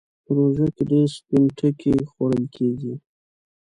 په روژه کې ډېر سپين ټکی خوړل کېږي.